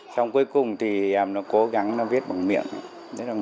xong cuối cùng thì em nó cố gắng viết bằng miệng